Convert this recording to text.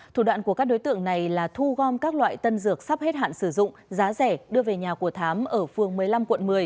thủ đoạn của các đối tượng này là thu gom các loại tân dược sắp hết hạn sử dụng giá rẻ đưa về nhà của thám ở phường một mươi năm quận một mươi